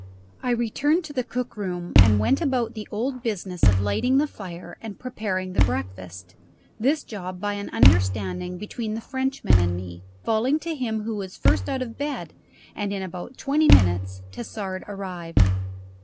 I returned to the cook room and went about the old business of lighting the fire and preparing the breakfast this job by an understanding between the Frenchman and me, falling to him who was first out of bed and in about twenty minutes Tassard arrived.